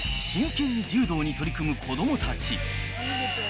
真剣に柔道に取り組む子どもたち。